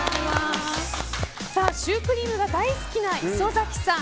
シュークリームが大好きな磯崎さん